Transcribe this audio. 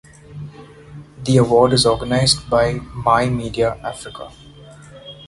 The award is organized by My Media Africa.